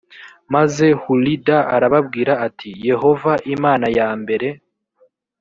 maze hulida arababwira ati yehova imana yambere